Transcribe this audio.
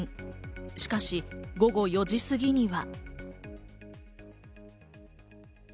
しかし、午後４時すぎには。